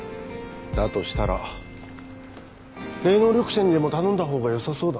だとしたら霊能力者にでも頼んだほうがよさそうだな。